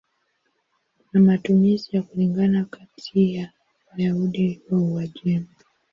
Kuna matumizi ya kulingana kati ya Wayahudi wa Uajemi.